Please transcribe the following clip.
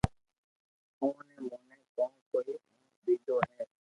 اوني موئي ڪون ڪوئي آوا ديدو ھي